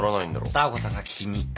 ダー子さんが聞きに行った。